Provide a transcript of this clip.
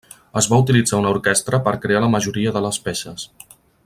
Es va utilitzar una orquestra per crear la majoria de les peces.